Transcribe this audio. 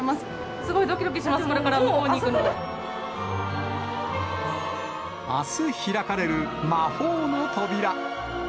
すごいどきどきします、あす開かれる魔法の扉。